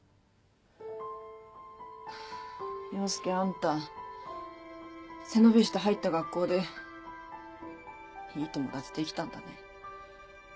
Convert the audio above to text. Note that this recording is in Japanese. ハァ陽介あんた背伸びして入った学校でいい友達できたんだね。